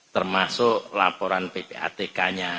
termasuk laporan ppatk nya